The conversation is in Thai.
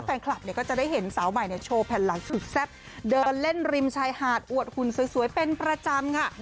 แฟนคลับเนี่ยก็จะได้เห็นสาวใหม่โชว์แผ่นหลังสุดแซ่บเดินเล่นริมชายหาดอวดหุ่นสวยเป็นประจำค่ะ